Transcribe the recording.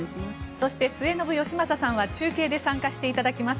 そして、末延吉正さんは中継で参加していただきます。